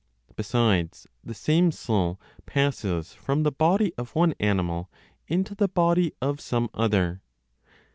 Besides, the same soul passes from the body of one animal into the body of some other.